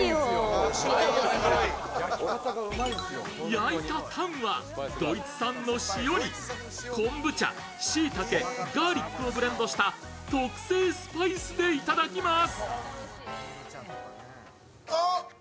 焼いたタンはドイツ産の塩に昆布茶、しいたけ、ガーリックをブレンドした特製スパイスでいただきます。